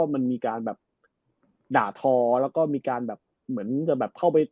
มันมีการแบบเหมือนจะเข้าไป